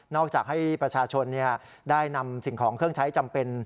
จากให้ประชาชนได้นำสิ่งของเครื่องใช้จำเป็น